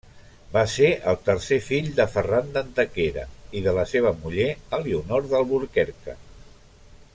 Va ser el tercer fill de Ferran d'Antequera i de la seva muller Elionor d'Alburquerque.